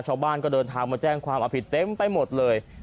ชาวบ้านก็เดินทางมาแจ้งความเอาผิดเต็มไปหมดเลย